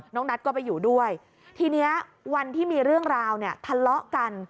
นัทก็ไปอยู่ด้วยทีนี้วันที่มีเรื่องราวเนี่ยทะเลาะกัน